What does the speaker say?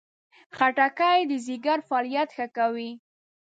خټکی د ځیګر فعالیت ښه کوي.